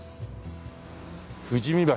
「富士見橋」